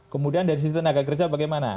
kemudian dari sisi tenaga kerja bagaimana